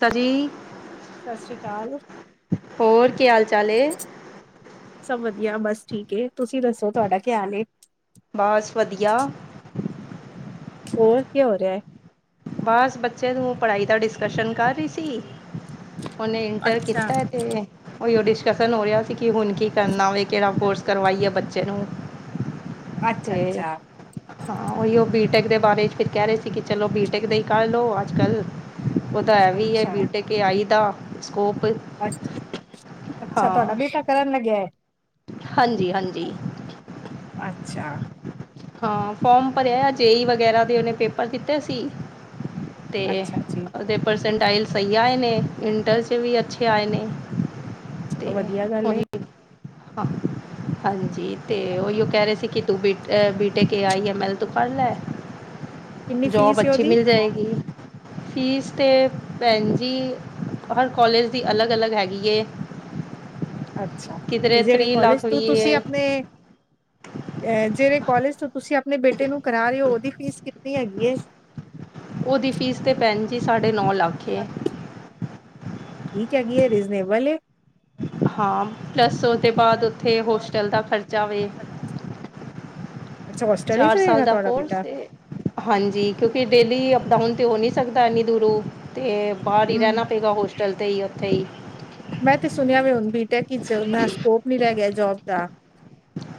ਤਜੀ, ਸਤਿ ਸ੍ਰੀ ਅਕਾਲ ਹੋਰ ਕੀ ਹਾਲ ਚਾਲ ਏ ਸਭ ਵਧੀਆ ਬਸ ਠੀਕ ਏ, ਤੁਸੀਂ ਦੱਸੋ ਤੁਹਾਡਾ ਕੀ ਹਾਲ ਐ ਬਸ ਵਧੀਆ ਹੋਰ ਕੀ ਹੋ ਰਿਹਾ ਹੈ? ਬਸ, ਬੱਚੇ ਨੂੰ ਪੜ੍ਹਾਈ ਦਾ ਡਿਸਕਸ਼ਨ ਕਰ ਰਹੀ ਸੀ ਉਹਨੇ ਇੰਟਰ ਅੱਛਾ। ਕੀਤਾ, ਤੇ ਔ ਹੀ ਔ ਡਿਸਕਸ਼ਨ ਹੋ ਰਿਹਾ ਸੀ ਕਿਵ ਹੁਣ ਕੀ ਕਰਨਾ ਹੋਵੇ, ਕਿਹੜਾ ਕੋਰਸ ਕਰਵਾਈ ਹੈ ਬੱਚੇ ਨੂੰ [inaudible] ਤੇ ਅੱਛਾ ਹਾਂ ਉਹੀ ਉਹ ਬੀਟੈਕ ਦੇ ਬਾਰੇ ਚ ਫਿਰ ਕਹਿ ਰਹੇ ਸੀ, ਕਿ ਚਲੋ ਬੀ ਬੀ ਟੈਕ ਦੇ ਹੀ ਕਹਿ ਲਓ ਅੱਜ ਕੱਲ੍ਹ, ਉਹ ਤਾਂ ਐ ਵੀ ਹੀ ਹੈ ਅੱਛਾ ਬੀਟੈਕ ਆਈ ਦਾ ਸਕੋਪ ਅੱ ਅੱਛਾ ਤੁਹਾਡਾ ਹਾਂ ਬੇਟਾ ਕਰਨ ਲੱਗਿਆ ਹੈ? ਹਾਂਜੀ -ਹਾਂਜੀ ਅੱਛਾ। ਹਾਂ ਫੋਰਮ ਭਰਿਆ, ਜੇ ਈ ਵਗੈਰਾ ਦੇ ਔ ਨੇ ਪੇਪਰ ਦਿੱਤੇ ਸੀ ਤੇ ਅੱਛਾ ਜੀ ਉਹਦੇ ਪਰਸੈਂਟਾਈਲ ਸਹੀ ਆਏ ਨੇ, ਇੰਟਰ 'ਚ ਵੀ ਅੱਛੇ ਆਏ ਨੇ ਅਤੇ ਚਲੋ ਵਧੀਆ ਗੱਲ ਏ ਉਹੀ ਹਾਂ ਹਾਂਜੀ ਤੇ ਉਹੀ ਉਹ ਕਹਿ ਰਹੇ ਸੀ ਕਿ, ਤੂੰ ਬੀ ਟੈਕ ਆਈ ਐ ਮੈਲ ਤੋਂ ਪੜ੍ਹ ਲੈ ਕਿੰਨੀ ਜੋਬ ਫੀਸ ਏ ਅੱਛੀ ਉਹਦੀ? ਮਿਲ ਜਾਏਗੀ ਫੀਸ ਤੇ ਭੈਣ ਜੀ ਹਰ ਕੋਲਜ ਦੀ ਅਲੱਗ ਅਲੱਗ ਹੈਗੀ ਹੈ ਅੱਛਾ, ਕਿਧਰੇ ਤੇ ਜਿਹੜੇ ਤੀਹ ਕੋਲਜ ਲੱਖ ਤੋਂ ਵੀ ਤੁਸੀਂ ਹੈ ਆਪਣੇ ਜਿਹੜੇ ਕੋਾਲਜ ਤੋਂ ਤੁਸੀਂ ਆਪਣੇ ਬੇਟੇ ਨੂੰ ਕਰਾ ਰਹੇ ਹੋ, ਉਹਦੀ ਫੀਸ ਕਿੰਤਨੀ ਹੈਗੀ ਹੈ ਉਹਦੀ ਫੀਸ ਤੇ ਭੈਣ ਜੀ, ਸਾਢੇ ਨੌ ਲੱਖ ਏ ਠੀਕ ਹੈਗੀ ਏ, ਰੀਜ਼ਨੇਬਲ ਏ। ਹਾਂ, ਪਲੱਸ ਉਹਦੇ ਬਾਅਦ ਉੱਥੇ, ਹੋਸਟਲ ਦਾ ਖ਼ਰਚਾ ਵੇ। ਅੱਛਾ ਹੋਸਟਲ ਵਿਚ ਚਾਰ ਸਾਲ ਰਹੇਗਾ, ਦਾ ਤੁਹਾਡਾ ਬੇਟਾ। ਕੋਰਸ ਏ ਹਾਂਜੀ ਕਿਉਂਕਿ ਡੇਲੀ ਅਪਡਾਊਨ ਤੇ ਹੋ ਨਹੀਂ ਸਕਦਾ ਇੰਨੀ ਦੂਰੋਂ। ਤੇ ਬਾਹਰ ਹੀ ਹੂੰ ਰਹਿਣਾ ਪਏਗਾ, ਹੋਸਟਲ 'ਤੇ ਹੀ ਉੱਥੇ ਹੀ। ਮੈਂ ਤੇ ਸੁਣਿਆ ਵੀ ਹੁਣ ਬੀਟੈਕ ਹੀ ਚ ਮੈਂ ਸਕੋਪ ਨੀ ਰਹਿ ਗਿਆ, ਜੋਬ ਦਾ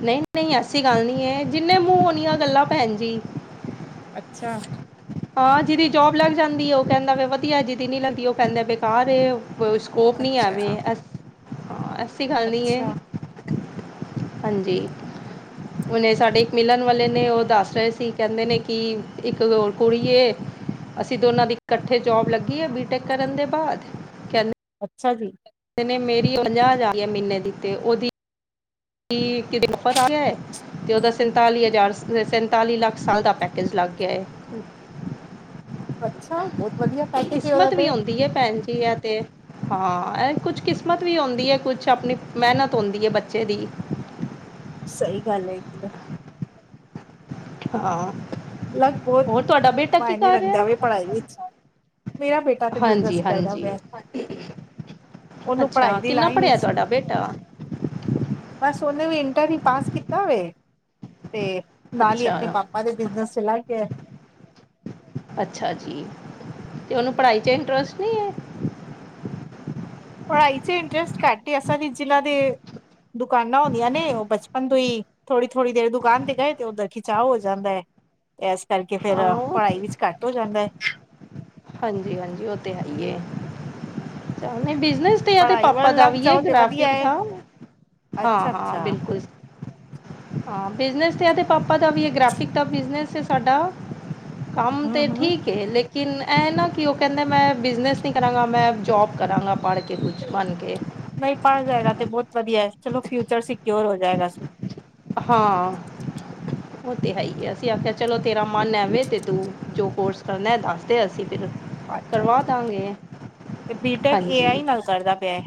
ਨਹੀਂ ਨਹੀਂ ਐਸੀ ਗੱਲ ਨਹੀਂ ਹੈ, ਜਿੰਨੇ ਮੂੰਹ ਓਨੀਆਂ ਗੱਲਾਂ, ਭੈਣ ਜੀ। ਅੱਛਾ ਹਾਂ, ਜਿਹਦੀ ਜੌਬ ਲੱਗ ਜਾਂਦੀ ਉਹ ਕਹਿੰਦਾ ਵਧੀਆ, ਜਿਦੀ ਨੀ ਲੱਗਦੀ, ਉਹ ਕਹਿੰਦਾ ਬੇਕਾਰ ਸਕੋਪ ਨਹੀਂ ਹੈਵੇ, ਅੱਛਾ, ਐਸ ਹਾਂ, ਐਸੀ ਗੱਲ ਨਹੀਂ ਹੈ। ਅੱਛਾ, ਹਾਂਜੀ। ਉਹਨੇ ਸਾਡੇ ਇੱਕ ਮਿਲਣ ਵਾਲੇ ਨੇ, ਉਹ ਦੱਸ ਰਹੇ ਸੀ, ਕਹਿੰਦੇ ਨੇ ਕਿ ਇੱਕ ਕੁੜੀਏ! ਅਸੀਂ ਦੋਨਾਂ ਦੀ ਇਕੱਠੇ ਜੋਬ ਲੱਗੀ ਹੈ, ਬੀਟੇਕ ਕਰਨ ਦੇ ਬਾਅਦ। ਕਹਿੰਦੇ ਅੱਛਾ ਜੀ। ਨੇ, ਮੇਰੀ ਪੰਜਾਹ-ਹਜ਼ਾਰ ਏ ਮਹੀਨੇ ਦੀ, ਤੇ ਉਹਦੀ ਕੀ, ਕਿਦੇ ਉਪਰ ਆ ਗੈ ਤੇ ਉਹਦਾ ਸੈਂਤਾਲੀ-ਹਜ਼ਾਰ, ਸੈਂਤਾਲੀ-ਲੱਖ ਸਾਲ ਦਾ ਪੈਕੇਜ ਲੱਗ ਗਿਆ ਏ। [inaudible] ਅੱਛਾ ਬਹੁਤ ਵਧੀਆ ਪੈਕੇਜ ਏ ਉਹਦਾ ਕਿਸਮਤ ਵੀ ਤੇ। ਹੁੰਦੀ ਹੈ ਭੈਣ ਜੀ, ਐਤੇ। ਹਾਂ, ਇਹ ਕੁਛ ਕਿਸਮਤ ਵੀ ਹੁੰਦੀ ਏ, ਕੁਛ ਆਪਣੀ ਮਿਹਨਤ ਹੁੰਦੀ ਏ, ਬੱਚੇ ਦੀ। ਸਹੀ ਗੱਲ ਹੈਗੀ ਐ। ਹਾਂ। ਲੱਕ ਬਹੁਤ ਹੋਰ ਤੁਹਾਡਾ ਬੇਟਾ ਕੀ ਮਾਇਨੇ ਕਰ ਰਿਹਾ ਰੱਖਦਾ ਵੇ, ਹੈ ਪੜ੍ਹਾਈ ਵਿੱਚ। ਮੇਰਾ ਬੇਟਾ ਤੇ ਹਾਂਜੀ ਬਿਜਨਸ ਕਰਦਾ ਹਾਂਜੀ ਪਿਆ। ਓਨੂੰ ਅੱਛਾ ਪੜ੍ਹਾਈ ਦੀ ਕਿੰਨਾ ਲਾਈਨ ਪੜ੍ਹਿਆ ਇਚ ਤੁਹਾਡਾ ਬੇਟਾ ਬਸ ਉਹਨੇ ਵੀ ਇੰਟਰ ਹੀ ਪਾਸ ਕੀਤਾ ਵੇ, ਤੇ ਨਾਲ ਹੀ, ਆਪਣੇ ਅੱਛਾ ਪਾਪਾ ਦੇ ਬਿਜਨਸ ਚਲਾ ਗਿਐ। ਅੱਛਾ ਜੀ! ਤੇ ਉਹਨੂੰ ਪੜ੍ਹਾਈ'ਚ ਇੰਟਰਸਟ ਨੀ? ਪੜ੍ਹਾਈ'ਚ ਇੰਟਰਸਟ ਘੱਟ ਹੀ ਐ, ਅਸਲ ਈਚ ਜਿਨਾਂ ਦੇ ਦੁਕਾਨਾਂ ਹੁੰਦੀਆਂ ਨੇ, ਉਹ ਬਚਪਨ ਤੋਂ ਹੀ ਥੋੜੀ-ਥੋੜੀ ਦੇਰ ਦੁਕਾਨ ਤੇ ਗਏ, ਤੇ ਉੱਧਰ ਖਿਚਾਵ ਹੋ ਜਾਂਦਾ ਏ। ਇਸ ਕਰਕੇ ਹਾਂ ਫਿਰ, ਉਹ ਪੜ੍ਹਾਈ ਵਿੱਚ ਘੱਟ ਹੋ ਜਾਂਦਾ ਏ। ਹਾਂਜੀ-ਹਾਂਜੀ ਉਹ ਤੇ, ਹੈਈ ਏ। ਚੱਲ ਨਹੀਂ ਬਿਜਨਸ ਤੇ, ਏਦੇ ਪੜ੍ਹਾਈ ਪਾਪਾ ਵੱਲ ਦਾ ਲੱਗ ਵੀ ਏ, ਜਾਓ ਤੇ ਵਧੀਆ ਗ੍ਰਫਿਕ ਹੈ ਦਾ। ਅੱਛਾ ਹਾਂ-ਹਾਂ, ਅੱਛਾ ਬਿਲਕੁਲ। ਹਾਂ, ਬਿਜਨਸ ਤੇ ਏਦੇ ਪਾਪਾ ਦਾ ਵੀ ਏ, ਗ੍ਰਾਫੀਕ ਦਾ ਬਿਜਨਸ ਹੈ ਸਾਡਾ। ਕੰਮ ਤੇ ਹਮ ਹਮ ਠੀਕ ਏ, ਲੇਕਿਨ ਐ ਨਾ ਕੀ ਉਹ ਕਹਿੰਦਾ, ਮੈਂ ਬਿਜ਼ਨਸ ਨਹੀਂ ਕਰਾਂਗਾ, ਮੈਂ ਜੌਬ ਕਰਾਂਗਾ ਪੜਕੇ ਕੁਛ, ਬਣਕੇ। ਨਹੀਂ ਪੜ੍ਹ ਜਾਏਗਾ ਤੇ ਬਹੁਤ ਵਧੀਆ, ਚਲੋ ਫਿਊਚਰ ਸਿਕਿਓਰ ਹੋ ਜਾਏਗਾ। ਹਾਂ। ਉਹ ਤੇ ਹੈ ਹੀ ਐ, ਅਸੀਂ ਆਖਿਆ ਚਲੋ ਤੇਰਾ ਮਨ ਹੈਵੇ ਤੇ ਤੂੰ, ਜੋ ਕੋਰਸ ਕਰਨਾ ਦੱਸਦੇ, ਅਸੀਂ ਫਿਰ ਕਰਵਾ ਅੱਛਾ-ਅੱਛਾ, ਦਾਂਗੇ ਤੇ ਬੀਟੇਕ ਹਾਂਜੀ ਏ਼ਆਈ ਨਾਲ ਕਰਦਾ ਪਿਆ ਏ।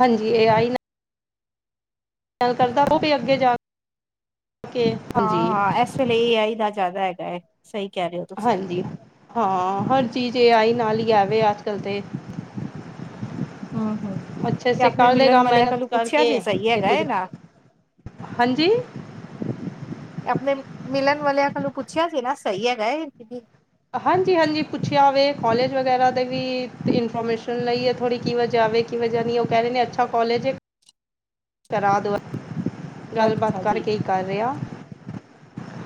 ਹਾਂਜੀ, ਏਆਈ ਨਾ ਨਾਲ ਕਰਦਾ, ਅੱਛਾ ਉਹ ਵੀ ਅੱਗੇ ਜਾ ਕੇ ਹਾਂਜੀ ਹਾਂ-ਹਾਂ, ਇਸ ਵੇਲੇ ਏ ਆਈ ਦਾ ਜ਼ਿਆਦਾ ਹੈਗਾ ਏ, ਸਹੀ ਕਹਿ ਰਹੇ ਹੋ। ਤੁਸੀਂ ਹਾਂਜੀ, ਹਾਂ, ਹਰ ਚੀਜ਼ ਇਹ ਏ ਆਈ ਨਾਲ ਹੀ ਹੈਵੇ, ਅੱਜਕੱਲ ਤੇ। [inaudible] ਹੂੰ, ਹੂੰ ਅੱਛੇ ਤੇ ਸੇ ਆਪਣੇ ਕਰ ਮਿਲਨ ਲਏਗਾ ਵਾਲਿਆ ਮਿਹਨਤ ਕੋਲੋਂ ਪੁੱਛਿਆ ਕਰਕੇ ਸੀ, ਸਹੀ ਤੇ ਹੈਗਾ ਕੁੱਝ ਏਗਾ। ਹਾਂਜੀ! ਆਪਣੇ ਮਿਲਣ ਵਾਲਿਆਂ ਕੋਲੋਂ ਪੁੱਛਿਆ ਸੀ ਨਾ, ਸਹੀ ਹੈਗਾ ਇਹ? ਹਾਂਜੀ-ਹਾਂਜੀ, ਪੁੱਛਿਆ ਵੇ, ਕੌਲੇਜ ਵਗੈਰਾ ਦਾ ਵੀ ਇਨਫੋਰਮੇਸ਼ਨ ਲਈ ਹੈ, ਥੋੜ੍ਹੀ ਕੀ ਵਜ੍ਹਾ ਵੇ ਕੀ ਵਜਾ ਨਹੀਂ ਉਹ ਕਹਿ ਰਹੇ ਨੇ, ਅੱਛਾ ਕੌਲੇਜ ਏ। ਕਰਾਦੋ, ਗੱਲਬਾਤ ਅੱਛਾ ਜੀ ਕਰਕੇ ਹੀ ਕਰ ਰਿਹਾ।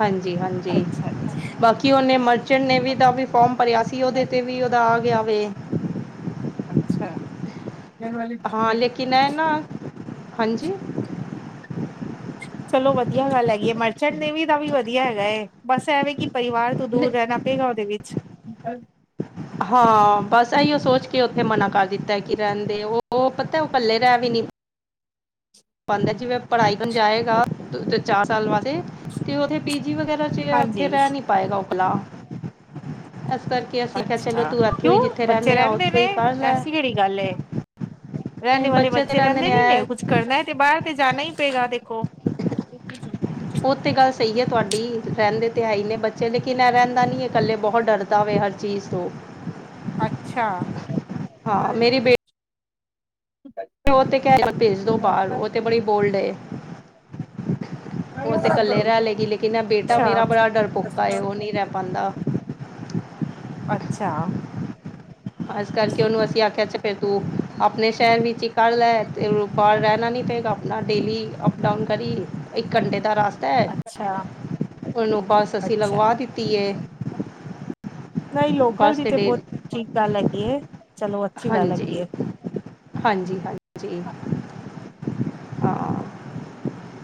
ਹਾਂਜੀ-ਹਾਂਜੀ, ਅੱਛਾ ਅੱਛਾ ਬਾ ਕੀ ਉਹਨੇ ਮਰਚੈਂਟ ਨੇਵੀ ਦਾ ਵੀ ਫੌਮ ਭਰਿਆ ਸੀ, ਉਹਦੇ ਤੇ ਵੀ ਉਹਦਾ ਆ ਗਿਆਵੇ। ਅੱਛਾ! ਹਾਂ ਲੇਕਿਨ ਐ ਨਾ---ਹਾਂਜੀ! ਚਲੋ ਵਧੀਆ ਗੱਲ ਹੈਗੀ ਹੈ, ਮਰਚੈਂਟ ਨੇਵੀ ਦਾ ਵੀ ਵਧੀਆ ਹੈਗਾ ਏ, ਬਸ ਐ, ਵੇ ਕਿ ਪਰਿਵਾਰ ਤੋਂ ਦੂਰ ਰਹਿਣਾ ਪਏਗਾ, ਉਹਦੇ ਵਿੱਚ ਹਾਂ ਬਸ, ਇਹੀਓ ਸੋਚ ਕੇ ਉੱਥੇ ਮਨਾ ਕਰ ਦਿੱਤਾ ਐ, ਕਿ ਰਹਿਣ ਦੇ, ਉਹ ਪਤਾ ਉਹ ਇਕੱਲੇ ਰਹਿ ਵੀ ਨੀ ਬੰਦਾ, ਜਿਵੇਂ ਪੜ੍ਹਾਈ ਕਰਨ ਜਾਏਗਾ, ਚਾਰ ਸਾਲ ਵਾਸਤੇ ਤੇ ਉਥੇ ਪੀ ਜੀ ਵਗੈਰਾ 'ਚ ਏ ਉੱਥੇ ਹਾਂਜੀ ਰਹਿ ਨਹੀਂ ਪਾਏਗਾ, ਓ ਕੱਲਾ ਇਸ ਕਰਕੇ ਅਸੀਂ ਕਿਹਾ ਅੱਛਾ, ਚਲੋ ਤੂੰ ਇੱਥੋਂ ਕਿਉਂ ਹੀ ਜਿੱਥੇ ਬੱਚੇ ਆ ਰਹਿੰਦੇ ਉੱਥੋਂ ਨੇ, ਹੀ ਕਰ ਲੈ ਐਸੀ ਕਿਹੜੀ ਗੱਲ ਏ ਰਹਿਣੇ ਵਾਲੇ ਬੱਚੇ ਰਹਿੰਦੇ ਨੀ ਨੇ, ਕੁੱਛ ਕਰਨਾ ਏ, ਤੇ ਬਾਹਰ ਤੇ ਜਾਣਾ ਹੀ ਪਏਗਾ ਦੇਖੋ। ਉਹ ਤੇ ਗੱਲ ਸਹੀ ਹੈ ਤੁਹਾਡੀ, ਰਹਿੰਦੇ ਤੇ ਹੈ ਹੀ ਨੇ ਬੱਚੇ, ਲੇਕਿਨ ਇਹ ਰਹਿੰਦਾ ਨੀ, ਇਕੱਲੇ ਬਹੁਤ ਡਰ ਤਾਵੇ, ਹਰ ਚੀਜ਼ ਤੋਂ ਅੱਛਾ। ਹਾਂ ਮੇਰੀ ਬੇਟੀ ਉਹ ਤੇ ਕਹਿ ਭੇਜ ਦੋ ਬਾਹਰ, ਉਹ ਤੇ ਬੜੀ ਬੋਲਡ ਏ। [unintelligible] ਉਹ ਤੇ ਇਕੱਲੇ ਰਹਿ ਲਏਗੀ, ਲੇਕਿਨ ਏ ਬੇਟਾ ਮੇਰਾ ਅੱਛਾ ਬੜਾ ਡਰਪੋਕਾ ਏ ਉਹ ਨਹੀਂ ਰਹਿ ਪਾਉਂਦਾ ਅੱਛਾ। ਇਸ ਕਰਕੇ ਉਹਨੂੰ ਅਸੀਂ ਆਖਿਆ,, ਫੇਰ ਤੂੰ ਆਪਣੇ ਸ਼ਹਿਰ ਵਿੱਚ ਇੱਕ ਕਰ ਲੈ ਤੇ ਬਾਹਰ ਰਹਿਣਾ ਨਹੀਂ ਪਏਗਾ, ਆਪਣਾ ਡੇਲੀ ਅਪ- ਡਾਊਨ ਕਰੀ, ਇੱਕ ਘੰਟੇ ਦਾ ਰਸਤਾ ਤੇ, ਅੱਛਾ ਉਹਨੂੰ ਬੱਸ ਅਸੀਂ ਲਗਵਾ ਅੱਛਾ ਦਿੱਤੀ ਏ। ਨਹੀਂ, ਲੋਕਲ ਦੀ ਤੇ, ਬਹੁਤ ਠੀਕ ਗੱਲ ਹੈਗੀ, ਏ। ਚਲੋ ਅੱਛੀ ਗੱਲ ਹਾਂਜੀ। ਹੈਗੀ ਏ ਹਾਂਜੀ -ਹਾਂਜੀ, ਹਾਂ।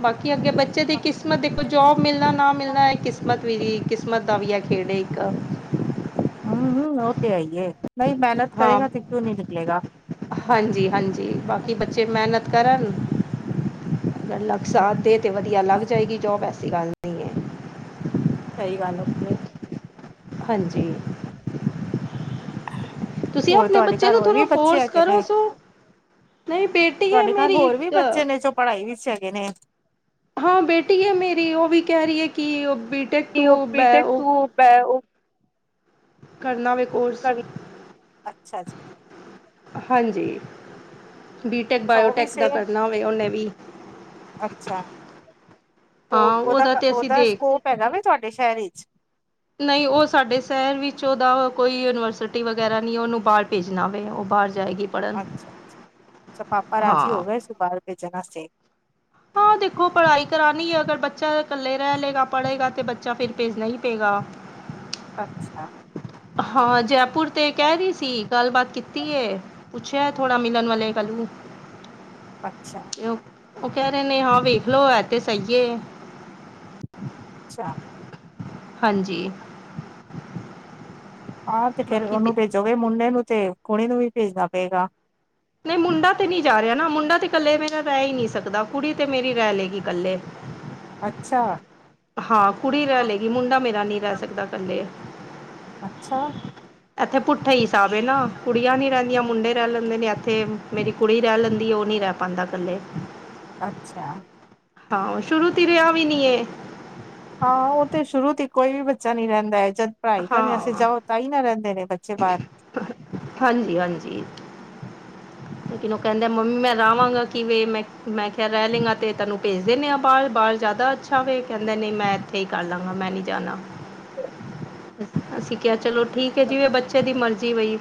ਬਾਕੀ, ਅੱਗੇ ਬੱਚੇ ਦੀ ਕਿਸਮਤ ਦੇਖੋ, ਜੋਬ ਮਿਲਣਾ ਨਾ ਮਿਲਣਾ, ਇਹ ਕਿਸਮਤ ਵੀ, ਕਿਸਮਤ ਦਾ ਵੀ ਹੈ, ਖੇਡ ਇੱਕ ਹਮ -ਹਮ, ਉਹ ਤੇ ਹੈ ਈ ਏ, ਨਹੀਂ ਮਿਹਨਤ ਹਾਂ ਕਰੇਗਾ, ਤੇ ਕਿਉਂ ਨਹੀਂ ਨਿਕਲੇਗਾ? ਹਾਂਜੀ- ਹਾਂਜੀ, ਬਾਕੀ ਬੱਚੇ ਮਿਹਨਤ ਕਰਨ ਅਗਰ ਲੱਕ ਹਮ, ਸਾਥ ਦੇ, ਤੇ ਵਧੀਆ ਲੱਗ ਜਾਏਗੀ, ਜੋਬ ਐਸੀ ਗੱਲ ਨਹੀਂ। ਹੈ ਸਹੀ ਗੱਲ ਹੈ ਜੀ। ਹਾਂਜੀ। ਤੁਸੀਂ ਹੋਰ, ਆਪਣੇ ਤੁਹਾਡੇ ਬੱਚੇ ਘਰ ਨੂੰ ਹੋਰ ਵੀ ਥੋੜ੍ਹਾ ਬੱਚੇ ਫੋਰਸ ਹੈਗੇ ਕਰੋ ਨੇ? ਸੋ ਨਹੀਂ ਬੇਟੀ ਹੈ ਤੁਹਾਡੇ ਘਰ ਮੇਰੀ ਹੋਰ ਵੀ ਇੱਕ ਬੱਚੇ ਨੇ, ਜੋ ਪੜ੍ਹਾਈ ਵਿੱਚ ਹੈਗੇ ਨੇ? ਹਾਂ, ਬੇਟੀ ਹੈ ਮੇਰੀ, ਉਹ ਵੀ ਕਹਿ ਰਹੀ ਹੈ, ਕਿ ਬੀਟੈਕ ਕੀ ਉਹ ਤੂੰ ਬੈ ਉਹ [unintelligible] ਕਰਨਾ ਵੇ ਕੋਰਸ ਕਰ ਅੱਛਾ ਜੀ। ਹਾਂਜੀ। ਬੀਟੈਕ, ਅੱਛਾ ਉਹ ਵੀ ਬਾਇਓਟੈਕ ਦਾ ਸੇਮ ਕਰਨਾ ਹੋਵੇ, ਉਹਨੇ ਵੀ ਅੱਛਾ ਹਾਂ, ਉਹਦਾ ਤੇ ਅਸੀਂ ਦੇਖ ਪੈਗਾ ਵੇ, ਤੁਹਾਡੇ ਸ਼ਹਿਰ ਵਿੱਚ? ਨਹੀਂ, ਉਹ ਸਾਡੇ ਸ਼ਹਿਰ ਵਿੱਚ ਉਹਦਾ ਕੋਈ ਯੂਨੀਵਰਸਿਟੀ ਵਗੈਰਾ ਨਹੀਂ, ਉਹਨੂੰ ਬਾਹਰ ਭੇਜਣਾ ਵੇ ਉਹ ਬਾਹਰ ਜਾਏਗੀ। ਪੜ੍ਹਨ ਅੱਛਾ -ਅੱਛਾ, ਅੱਛਾ ਪਾਪਾ ਰਾਜੀ ਹੋ ਹਾਂ ਗਏ ਸੁ ਬਾਹਰ ਭੇਜਣਾ ਵਾਸਤੇ? ਦੇਖੋ ਪੜ੍ਹਾਈ ਕਰਾਣੀ ਹੈ ਅਗਰ, ਬੱਚਾ ਇਕੱਲੇ ਰਹਿ ਲਏਗਾ, ਪੜ੍ਹੇਗਾ ਤੇ ਬੱਚਾ ਫਿਰ ਭੇਜਣਾ ਹੀ ਪਏਗਾ। ਅੱਛਾ ਹਾਂ, ਜੈਪੁਰ ਤੇ ਕਹਿ ਰਹੀ ਸੀ, ਗੱਲਬਾਤ ਕੀਤੀ ਏ। ਪੁੱਛਿਆ ਥੋੜਾ, ਮਿਲਣ ਵਾਲੇ ਕੱਲ ਨੂੰ ਅੱਛਾ। ਉਹ ਕਹਿ ਰਹੇ ਨੇ, ਹਾਂ ਵੇਖਲੋ ਹੈ ਤੇ ਸਹੀ ਏ। ਅੱਛਾ। ਹਾਂਜੀ। ਹਾਂ, ਤੇ ਫੇਰ ਬਾਕੀ ਦੇ ਉਹਨੂੰ ਭੇਜੋਗੇ ਮੁੰਡੇ ਨੂੰ ਤੇ, ਕੁੜੀ ਨੂੰ ਵੀ ਭੇਜਣਾ ਪਏਗਾ ਨਹੀਂ ਮੁੰਡਾ ਤੇ ਨਹੀਂ ਜਾ ਰਿਹਾ ਨਾ, ਮੁੰਡਾ ਤੇ ਇਕੱਲੇ ਮੇਰਾ ਰਹਿ ਹੀ ਨਹੀਂ ਸਕਦਾ, ਕੁੜੀ ਤੇ ਮੇਰੀ ਰਹਿ ਲਏਗੀ ਇਕੱਲੇ। ਅੱਛਾ- ਹਾਂ ਕੁੜੀ ਰਹਿ ਲਏਗੀ, ਮੁੰਡਾ ਮੇਰਾ ਨਹੀਂ ਰਹਿ ਸਕਦਾ ਇਕੱਲੇ ਅੱਛਾ, ਇੱਥੇ ਪੁੱਠ ਹੀ ਹਿਸਾਬ ਏ, ਕੁੜੀਆਂ ਨੀ ਰਹਿੰਦੀਆਂ ਮੁੰਡੇ ਰਹਿ ਲੈਂਦੇ ਨੇ, ਇੱਥੇ ਮੇਰੀ ਕੁੜੀ ਰਹਿ ਲੈਂਦੀ, ਉਹ ਨੀ ਰਹਿ ਆਦਾ ਥੱਲੇ, ਅੱਛਾ। ਹਾਂ ਸ਼ੁਰੂ ਤੇ ਰਿਹਾ ਵੀ ਨੀ ਏ ਹਾਂ ਉਹ ਤੇ, ਸ਼ੁਰੂ ਤੇ ਕੋਈ ਵੀ ਬੱਚਾ ਨੀ ਰਹਿੰਦਾ ਹੈ, ਜਦ ਪੜ੍ਹਾਈ ਕਰਨੀ ਹਾਂ ਜਾਓ ਤਾਂ ਹੀ ਨਾ, ਰਹਿੰਦੇ ਨੇ ਬੱਚੇ ਬਾਹਰ ਹਾਂਜੀ ਹਾਂਜੀ। [unintelligible] ਲੇਕਿਨ ਉਹ ਕਹਿੰਦੇ, ਮੰਮੀ ਮੈਂ ਰਵਾਂਗਾ ਕਿਵੇਂ, ਮੈਂ ਮੈਂ ਕਿਹਾ ਰਹਿ ਲਏ ਗਾ ਤਾਂ ਤੈਨੂੰ ਭੇਜ ਦਿੰਨੇ ਹਾਂ, ਬਾਹਰ ਬਾਹਰ ਜ਼ਿਆਦਾ ਸਭ ਇਹ ਕਹਿੰਦੇ ਨੇ, ਮੈਂ ਇੱਥੇ ਹੀ ਕਰ ਲਾਂਗਾ, ਮੈਂ ਨੀ ਜਾਣਾ ਹੂੰ। [inaudible] ਅਸੀਂ ਕਿਹਾ, ਚਲੋ ਠੀਕ ਹੈ, ਜਿਵੇਂ ਬੱਚੇ ਦੀ ਮਰਜ਼ੀ ਬਈ,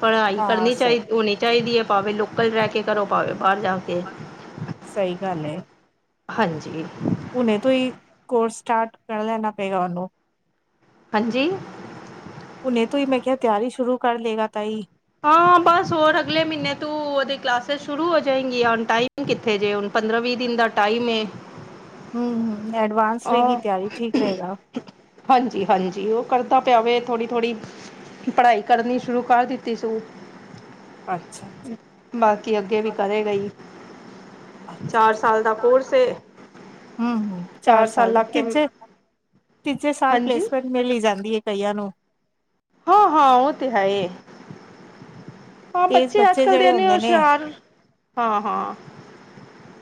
ਪੜ੍ਹਾਈ ਹਾਂ ਕਰਨੀ ਸਹੀ ਚਾਹੀਦੀ ਹੋਣੀ ਚਾਹੀਦੀ ਹੈ ਭਾਵੇ ਲੋਕਲ ਰਹਿ ਕੇ ਕਰੋ ਭਾਵੇ, ਬਾਹਰ ਜਾ ਕੇ ਸਹੀ, ਗੱਲ ਹੈ ਏ। ਹਾਂਜੀ। ਹੁਣੇੇ ਤੋਂ ਹੀ, ਕੋਰਸ ਸਟਾਰਟ ਕਰ ਲੈਣਾ ਪਏਗਾ, ਉਹਨੂੰ? ਹਾਂਜੀ ਹੁਣੇ ਤੋਂ ਹੀ, ਮੈਂ ਕਿਹਾ ਤਿਆਰੀ ਸ਼ੁਰੂ ਕਰ ਲਏ ਗਾ, ਤਾ ਹੀ ਹਾਂ ਬਸ ਹੋਰ, ਅਗਲੇ ਮਹੀਨੇ ਤੋਂ ਉਹਦੇ ਕਲਾਸਿਸ ਸ਼ੁਰੂ ਹੋ ਜਾਏਗੀ, ਜਾ ਟਾਈਮ ਟਾਈਮ ਕਿੱਥੇ ਜੇ, ਹੁਣ ਪੰਦਰਾਂ ਵੀਹ ਦਿਨ ਦਾ, ਟਾਈਮ ਏ ਹੂੰ ਹੂੰ ਐਡਵਾਂਸ ਰਹੇਗੀ ਤਿਆਰੀ, ਠੀਕ ਰਹੇਗਾ ਹਾਂਜੀ ਹਾਂਜੀ ਉਹ ਕਰਦਾ ਪਿਆ ਵੇ, ਥੋੜ੍ਹੀ ਥੋੜ੍ਹੀ ਪੜ੍ਹਾਈ ਕਰਨ ਸ਼ੁਰੂ ਕਰ ਦਿੱਤੀ ਸੂ। ਅੱਛਾ ਅੱਛਾ ਬਾਕੀ ਅੱਗੇ ਵੀ, ਕਰੇ ਗਾ ਈ ਅੱਛਾ ਚਾਰ ਸਾਲ ਦਾ ਕੋਰਸ ਏ ਆ, ਹੋ ਚਾਰ ਸਾਲ ਦਾ, ਤੀਜੇ ਤੀਜੇ ਸਾਲ ਹਾਂਜੀ ਪਲੇਸਮੈਂਟ ਮਿਲੀ ਜਾਂਦੀ ਹੈ ਕਈਆਂ ਨੂੰ ਹਾਂ ਹਾਂ ਉਹ ਤੇ ਏ ਹਾਂ, ਤੇਜ਼ ਬੱਚੇ ਅੱਜ ਕੱਲ੍ਹ ਦੇ ਜਿਹੜੇ ਇੰਨੇ ਹੁੰਦੇ ਨੇ ਹੁਸ਼ਿਆਰ ਹਾਂ ਹਾਂ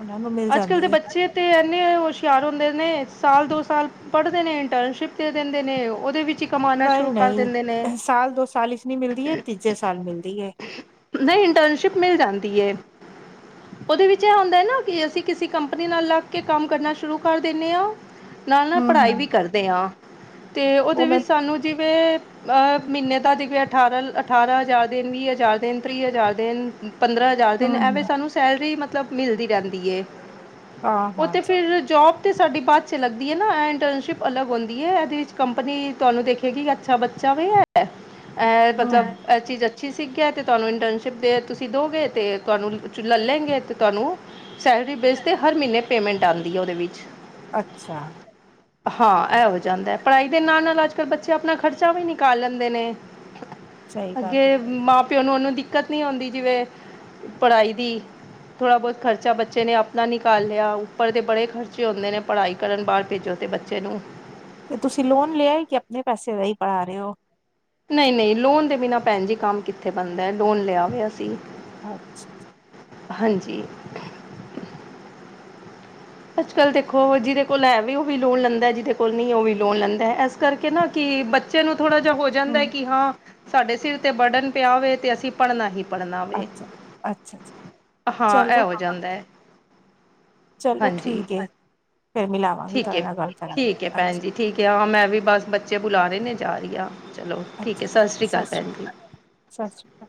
ਉਹਨਾਂ ਨੂੰ, ਮਿਲ ਅੱਜ ਕੱਲ੍ਹ ਜਾਂਦੀ ਦੇ ਏ - ਬੱਚੇ ਤੇ, ਇੰਨੇ ਹੁਸ਼ਿਆਰ ਹੁੰਦੇ ਨੇ ਸਾਲ ਦੋ ਸਾਲ ਪੜ੍ਹਦੇ ਨੇ, ਇੰਟਰਨਸ਼ਿਪ ਦੇ ਦਿੰਦੇ ਨੇ ਉਹਦੇ ਵਿੱਚ, ਹੀ ਕਮਾਉਣਾ ਨਹੀਂ ਸ਼ੁਰੂ ਕਰ ਦਿੰਦੇ ਨੇ ਸਾਲ ਦੋ ਸਾਲ ਵਿਚ ਨਹੀ ਮਿਲਦੀ, ਤੀਜੇ ਸਾਲ ਮਿਲਦੀ ਏ? ਨਹੀਂ, ਇੰਟਰਨਸ਼ਿਪ ਮਿਲ ਜਾਂਦੀ ਏ ਉਹਦੇ ਵਿੱਚ ਇਹ ਹੁੰਦਾ ਨਾ, ਕਿ ਅਸੀਂ ਕਿਸੇ ਕੰਪਨੀ ਨਾਲ ਲੱਗ ਕੇ, ਕੰਮ ਕਰਨਾ ਸ਼ੁਰੂ ਕਰ ਦਿੰਦੇ ਆ। ਨਾਲ ਨਾਲ ਹੂੰ ਪੜ੍ਹਾਈ ਵੀ ਹੂੰ ਕਰਦੇ ਹਾਂ, ਤੇ ਉਹਦੇ ਉਹ ਮੈਂ ਵਿੱਚ ਸਾਨੂੰ ਜਿਵੇਂ ਅਹ ਮਹੀਨੇ ਤਾਂ ਦੇਖ, ਅਠਾਰਾਂ ਅਠਾਰਾਂ ਹਜ਼ਾਰ ਹਜ਼ਾਰ ਦੇਣ, ਤੀਹ ਹਜ਼ਾਰ, ਦਿਨ ਪੰਦਰਾਂ ਚਾਰ ਦਿਨ ਹੂੰ ਐਵੇਂ, ਹੂੰ ਸਾਨੂੰ ਸੈਲਰੀ ਮਤਲਬ ਮਿਲਦੀ ਰਹਿੰਦੀ ਏ, ਹਾਂ ਉਹ ਹਾਂ ਤੇ ਜੀ ਫਿਰ ਜੋਬ ਤੇ ਸਾਡੀ, ਬਾਅਦ 'ਚ ਲੱਗਦੀ ਹਏ ਨਾ ਇੰਟਰਨਸ਼ਿਪਅਲੱਗ ਹੁੰਦੀ ਏ, ਏਦੇ ਵਿੱਚ ਕੰਪਨੀ ਤੁਹਾਨੂੰ ਦੇਖੇਗੀ ਕਿ, ਅੱਛਾ ਬੱਚਾ ਚਾਵੇ ਅ ਅਹ, ਹੂੰ ਮਤਲਬ ਇਹ ਚੀਜ਼ ਅੱਛੀ ਸੀ ਕਿ ਤੁਹਾਨੂੰ ਇੰਟਰਨਸ਼ਿਪ ਦੇ ਤੁਸੀਂ ਦੋਗੇ ਅਤੇ ਤੁਹਾਨੂੰ ਲੇ ਲੈਣ ਗੇ ਅਤੇ ਤੁਹਾਨੂੰ ਸੈਲਰੀ ਬੇਸ ਤੇ, ਹਰ ਮਹੀਨੇ ਪੇਮੈਂਟ ਆਉਦੀ ਹੈ ਉਹਦੇ ਵਿੱਚ ਅੱਛਾ ਹਾਂ, ਇਹ ਹੋ ਜਾਂਦਾ, ਪੜ੍ਹਾਈ ਦੇ ਨਾਲ ਨਾਲ ਅੱਜ ਕੱਲ੍ਹ ਬੱਚੇ ਆਪਣਾ, ਖਰਚ ਖਰਚਾ ਵੀ, ਨਿਕਾਲ ਲੈਂਦੇ ਨੇ, ਸਹੀ ਗੱਲ ਅੱਗੇ ਹੈ ਮਾਂ ਪਿਓ ਨੂੰ, ਉਹਨੂੰ ਦਿੱਕਤ ਨੀ ਹੁੰਦੀ ਜਿਵੇਂ ਪੜ੍ਹਾਈ, ਦੀ ਥੋੜ੍ਹਾ ਬਹੁਤ ਖਰਚਾ, ਬੱਚੇ ਨੇ ਆਪਣਾ ਨਿਕਾਲ ਲਿਆ, ਉੱਪਰ ਦੇ ਬੜੇ ਖਰਚੇ ਹੁੰਦੇ ਨੇ ਪੜ੍ਹਾਈ ਕਰਨ, ਬਾਹਰ ਭੇਜੋ ਅਤੇ ਬੱਚੇ ਨੂੰ ਤੇ ਤੁਸੀਂ, ਲੋਨ ਲਿਆ ਹੈ, ਕਿ ਆਪਣੇ ਪੈਸੇ ਦਾ ਹੀ ਪੜ੍ਹਾ ਰਹੇ, ਹੋ ਨਹੀਂ ਨਹੀਂ ਲੋਨ ਦੇ ਬਿਨਾਂ ਭੈਣ ਜੀ ਕੰਮ ਕਿੱਥੇ ਬਣਦਾ ਐ ਲੋਨ ਲਿਆ ਹੋਇਆ ਸੀ। ਅੱਛਾ। [unintelligible] ਹਾਂਜੀ। ਅੱਜ ਕੱਲ੍ਹ ਦੇਖੋ ਜਿਹਦੇ ਕੋਲ ਹੈ ਵੀ ਉਹ ਵੀ ਲੋਨ ਲੈਂਦਾ ਹੈ। ਜਿਹਦੇ ਕੋਲ ਨਹੀਂ ਉਹ ਵੀ ਲੋਨ ਲੈਂਦਾ ਹੈ ਐ ਕਰਕੇ ਨਾ ਕਿ ਬੱਚੇ ਨੂੰ ਥੋੜਾ ਜਿਹਾ ਹੋ ਜਾਂਦਾ ਹੂੰ ਕਿ ਹਾਂ ਸਾਡੇ ਸਿਰ ਤੇ ਬਰਡਨ ਪਿਆ ਵੇ ਤੇ ਅਸੀਂ ਪੜ੍ਹਨਾ ਹੀ, ਪੜਨਾ ਆਵੇ ਅੱਛਾ ਅੱਛਾ ਅੱਛਾ ਹਾਂ ਐਹ ਚਲੋ ਹੋ ਜਾਂਦਾ ਐ ਚਲੋ ਠੀਕ ਯਾ ਫੇਰ ਮਲਾਵਾਂਗੀ ਠੀਕ ਹੈ ਤੁਹਾਡੇ ਨਾਲ ਗੱਲ ਠੀਕ ਹੈ ਕਰਾਂਗੇ ਅੱਛਾ ਭੈਣ ਜੀ ਠੀਕ ਯਾ ਮੈਂ ਵੀ ਬਸ ਬੱਚੇ ਬੁਲਾ ਰੇ ਨੇ ਜਾ ਰੀ ਆਂ ਚਲੋ ਠੀਕ ਹੈ ਸ ਸ਼੍ਰੀ ਅਕਾਲ ਭੈਣ ਸ ਸ੍ਰੀ ਕਾ